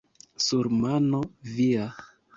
Sur mano via!